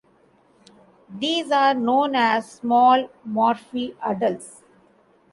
These are known as small morph adults.